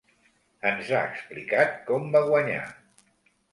Ens ha explicat com va guanyar.